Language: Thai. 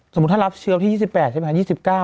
สมมุติถ้ารับเชื้อวันที่๒๘ใช่ไหม